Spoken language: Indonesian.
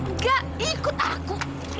nggak ikut aku